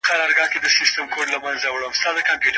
په کلي کي هر وار اختر وي.